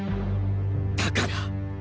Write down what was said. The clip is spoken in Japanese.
だから！